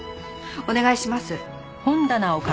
お願いします。